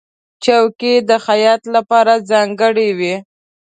چوکۍ د خیاط لپاره ځانګړې وي.